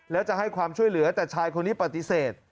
แล้วจะให้ความช่วยเหลือแต่ชายคนนี้ปฏิเสธ